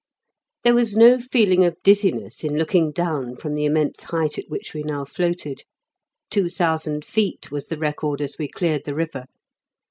There was no feeling of dizziness in looking down from the immense height at which we now floated two thousand feet was the record as we cleared the river.